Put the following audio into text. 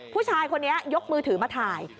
ผู้ชายคนนี้ยกมือถือมาถ่าย